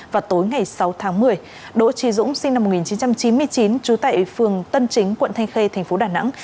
vào tối ngày sáu tháng một mươi đỗ trí dũng sinh năm một nghìn chín trăm chín mươi chín trú tại phường tân chính quận thanh khê thành phố đà nẵng